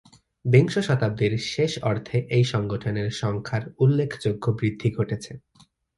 বিংশ শতাব্দীর শেষ অর্ধে এই সংগঠনের সংখ্যার উল্লেখযোগ্য বৃদ্ধি ঘটেছে।